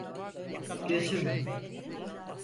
Gözüm!